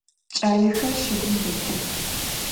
Ç'alexer şagum detıx.